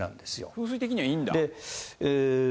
風水的にはいいんだ。